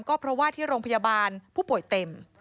ก็เพราะว่าที่โรงพยาบาลผู้ป่วยเต็ม